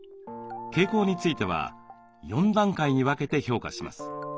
傾向については４段階に分けて評価します。